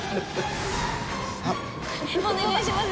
お願いします。